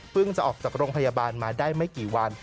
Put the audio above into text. จะออกจากโรงพยาบาลมาได้ไม่กี่วัน